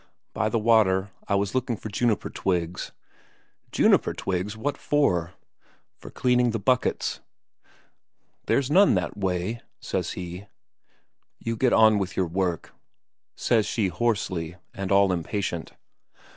"By the water? I was looking for juniper twigs." "Juniper twigs? What for?" "For cleaning the buckets." "There's none that way," says he. "You get on with your work," says she hoarsely, and all impatient.